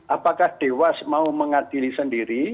apakah dewas mau mengadili sendiri